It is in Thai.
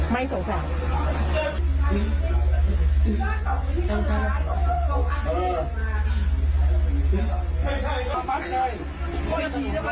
ไม่สงสัย